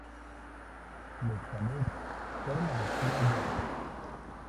Los Canucks fueron a los playoffs.